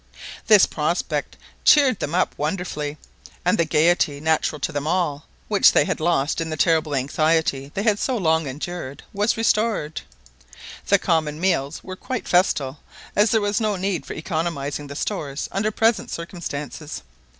This prospect cheered them up wonderfully, and the gaiety natural to them all, which they had lost in the terrible anxiety they had so long endured, was restored. The common meals were quite festal, as there was no need for economising the stores under present circumstances.